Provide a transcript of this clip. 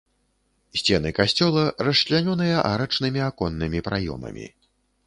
Сцены касцёла расчлянёныя арачнымі аконнымі праёмамі.